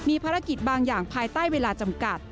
มีภารกิจบางอย่างภายใต้เวลาจำกัด